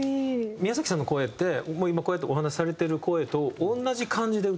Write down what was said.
宮崎さんの声って今こうやってお話しされてる声と同じ感じで歌うんですよね。